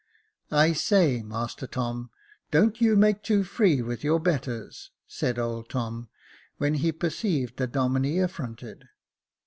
*' I say, master Tom, don't you make too free with your betters," said old Tom, when he perceived the Domine affronted.